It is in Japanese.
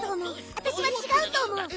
わたしはちがうとおもう。